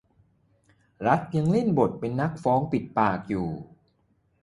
รัฐยังเล่นบทนักฟ้องปิดปากอยู่